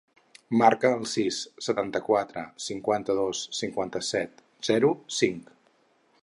Marca el sis, setanta-quatre, cinquanta-dos, cinquanta-set, zero, cinc.